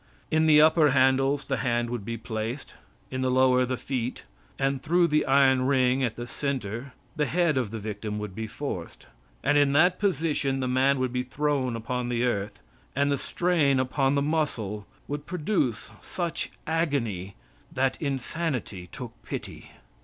In the upper handles the hands would be placed; in the lower, the feet; and through the iron ring, at the centre, the head of the victim would be forced, and in that position the man would be thrown upon the earth, and the strain upon the muscle would produce such agony that insanity took pity.